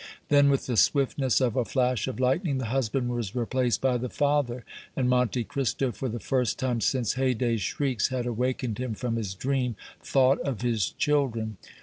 Then, with the swiftness of a flash of lightning, the husband was replaced by the father, and Monte Cristo, for the first time since Haydée's shrieks had awakened him from his dream, thought of his children.